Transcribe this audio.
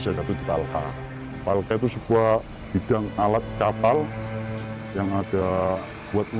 saya berusaha disantteok penerbangan bersama lelaki lelaki